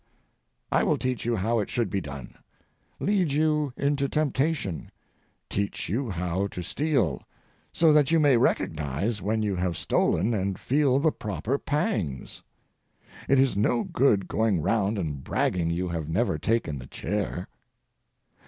I will teach you how it should be done, lead you into temptation, teach you how to steal, so that you may recognize when you have stolen and feel the proper pangs. It is no good going round and bragging you have never taken the chair.